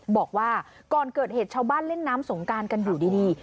บอกว่าก่อนเกิดเหตุชาวบ้านเล่นน้ำสงการกันอยู่ดี